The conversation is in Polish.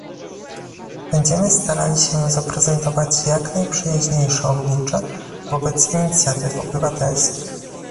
Będziemy starali się zaprezentować jak najprzyjaźniejsze oblicze wobec inicjatyw obywatelskich